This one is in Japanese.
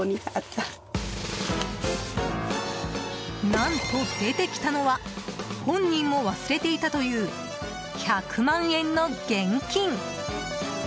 何と、出てきたのは本人も忘れていたという１００万円の現金。